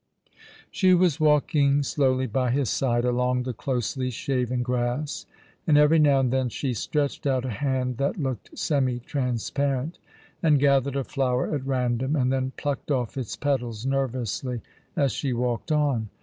She was walking slowly by his side along the closely shaven grass, and every now and then she stretched out a hand that looked semi transparent, and gathered a flower at random, and then plucked off its petals nervously as she walked on.